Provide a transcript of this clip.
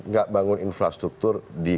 gak bangun infrastruktur di